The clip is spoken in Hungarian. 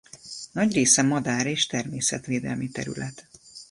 Nagy része madár- és természetvédelmi terület.